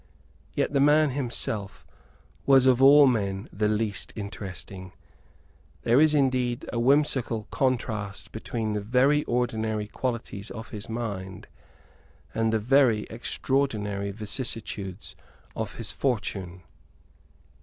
Yet the man himself was of all men the least interesting. There is indeed a whimsical contrast between the very ordinary qualities of his mind and the very extraordinary vicissitudes of his fortune.